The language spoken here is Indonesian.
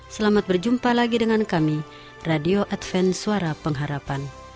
selamat berjumpa lagi dengan kami radio adven suara pengharapan